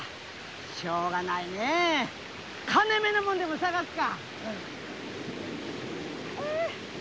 しようがないねえ金めの物でも探すか。